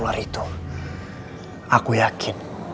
lo tau kok